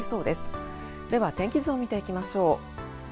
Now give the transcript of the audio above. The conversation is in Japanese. では天気図を見ていきましょう。